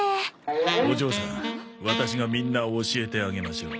お嬢さんワタシがみんな教えてあげましょう。